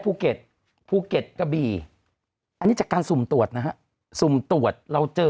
ภูเก็ตภูเก็ตกระบี่อันนี้จากการสุ่มตรวจนะฮะสุ่มตรวจเราเจอ